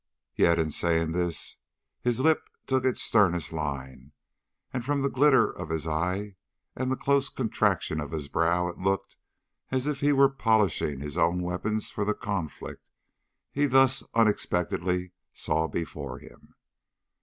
Yet in saying this his lip took its sternest line, and from the glitter of his eye and the close contraction of his brow it looked as if he were polishing his own weapons for the conflict he thus unexpectedly saw before him.